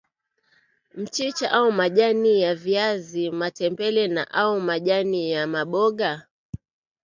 Mchicha au majani ya viazi matembele au majani ya maboga